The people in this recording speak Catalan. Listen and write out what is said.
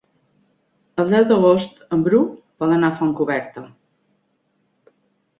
El deu d'agost en Bru vol anar a Fontcoberta.